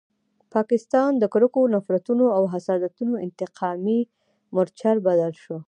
پاکستان د کرکو، نفرتونو او حسادتونو انتقامي مورچل بدل شو.